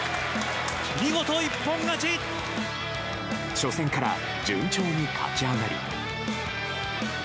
初戦から順調に勝ち上がり。